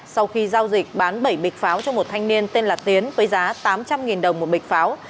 sau khi giao dịch bán bảy bịch pháo cho một thanh niên tên là tiến với giá tám trăm linh đồng một bịch pháo